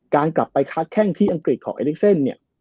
การกลับไปค้าแข้งที่อังกฤษของเอลิกเซนเนี่ย